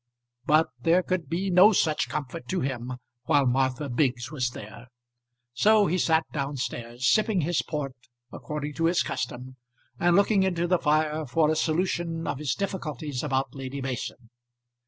But there could be no such comfort to him while Martha Biggs was there, so he sat down stairs, sipping his port according to his custom, and looking into the fire for a solution of his difficulties about Lady Mason.